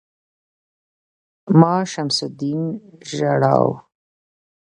ـ ما شمس الدين ژاړو